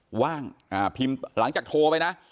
ว่าว่างถอบหลังจากโทรไปนะ